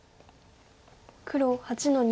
黒８の二。